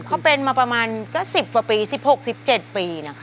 เขาเป็นมาประมาณก็๑๐กว่าปี๑๖๑๗ปีนะคะ